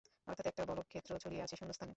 অর্থাৎ একটা বলক্ষেত্র ছড়িয়ে আছে শূন্যস্থানে।